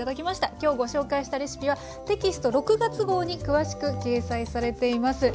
きょうご紹介したレシピはテキスト６月号に詳しく掲載されています。